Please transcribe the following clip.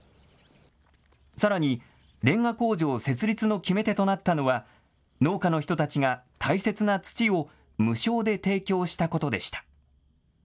さらに、レンガ工場設立の決め手となったのは農家の人たちが大切な土を無償で提供したことでした。